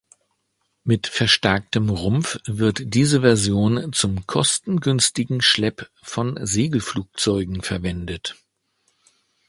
Mit verstärktem Rumpf wird diese Version zum kostengünstigen Schlepp von Segelflugzeugen verwendet.